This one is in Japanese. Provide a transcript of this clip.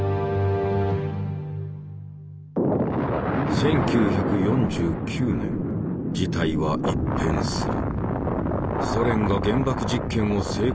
１９４９年事態は一変する。